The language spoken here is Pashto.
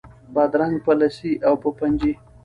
بادرنګ په لسي او په پنجي